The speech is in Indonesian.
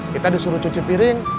kita disuruh cuci piring